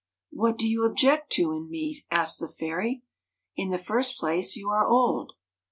" What do you object to in me ?" asked the fairy. '" In the first place you are old."